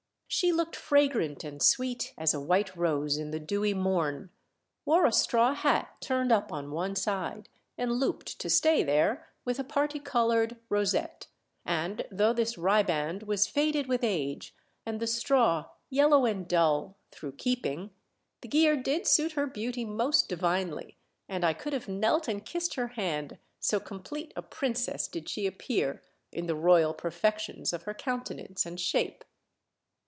She looked fragrant and sweet as a white rose in the dewy morn, wore a straw hat turned up on one side and looped to stay there with a parti coloured rosette, and though this riband was faded with age and the straw yellow and dull through keep ing, the gear did suit her beauty most divinely, and I could have knelt and kissed her hand, so complete a Princess did she appear in the royal perfections of her coun tenance and shape.